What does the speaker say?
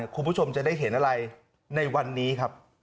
คุณผู้ชมจะได้เห็นอะไรในวันนี้ครับ